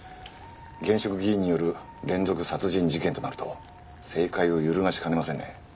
現職議員による連続殺人事件となると政界を揺るがしかねませんね。